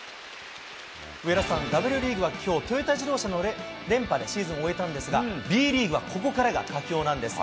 上田さん、Ｗリーグはきょう、トヨタ自動車の連覇でシーズンを終えたんですが、Ｂリーグはここからが佳境なんです。